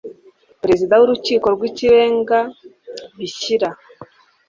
Perezida w Urukiko rw Ikirenga bishyira